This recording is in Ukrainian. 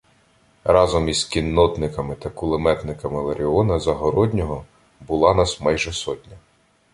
Разом із кіннотниками та кулеметниками Ларіона Загороднього була нас майже сотня.